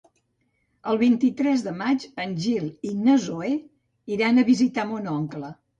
El vint-i-tres de maig en Gil i na Zoè iran a visitar mon oncle.